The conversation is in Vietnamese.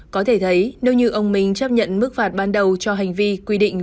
có thể thấy nếu như ông minh chấp nhận mức phạt ban đầu cho hành vi quy định